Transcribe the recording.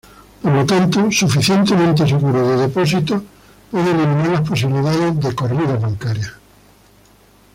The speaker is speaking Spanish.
Por lo tanto, suficiente seguro de depósitos puede eliminar la posibilidad de corridas bancarias.